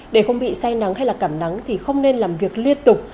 để không bị say nắng hay là cảm nắng thì không nên làm việc liên tục